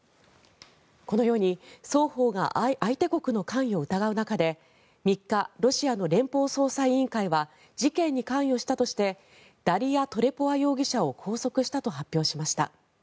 このように双方が相手国の関与を疑う中で３日、ロシアの連邦捜査委員会は事件に関与したとしてダリア・トレポワ容疑者を拘束したと発表しました。